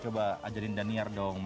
coba ajarin danier dong